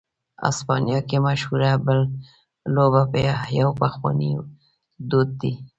اسپانیا کې مشهوره "بل" لوبه یو پخوانی دود دی.